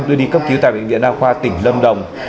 đưa đi cấp cứu tại bệnh viện đa khoa tỉnh lâm đồng